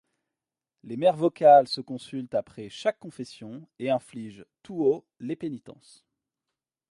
Les mères vocales se consultent après chaque confession, et infligent tout haut les pénitences.